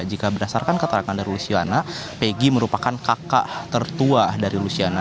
jika berdasarkan keterangan dari lusiana peggy merupakan kakak tertua dari lusiana